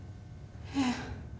ええ。